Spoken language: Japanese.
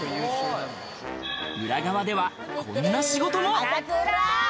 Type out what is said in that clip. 裏側ではこんな仕事も。